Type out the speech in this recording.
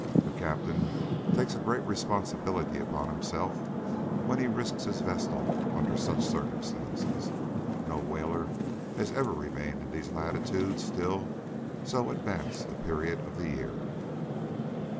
A captain takes a great responsibility upon himself when he risks his vessel under such circumstances. No whaler has ever remained in these latitudes till so advanced a period of the year.